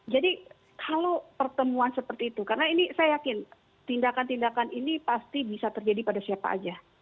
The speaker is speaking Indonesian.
jadi kalau pertemuan seperti itu karena ini saya yakin tindakan tindakan ini pasti bisa terjadi pada siapa saja